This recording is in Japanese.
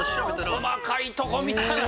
細かいとこ見たな。